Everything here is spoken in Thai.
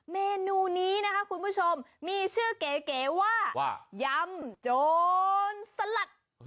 เมนูนี้นะคะคุณผู้ชมมีชื่อเก๋ว่าว่ายำโจรสลัด